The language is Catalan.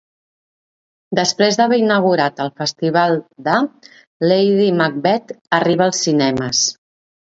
Després d'haver inaugurat el Festival D'A, 'Lady Macbeth' arriba als cinemes.